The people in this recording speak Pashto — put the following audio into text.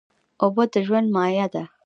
اوبه د ژوند مایه ده.